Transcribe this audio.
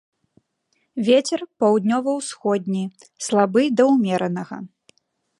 Вецер паўднёва-ўсходні слабы да ўмеранага.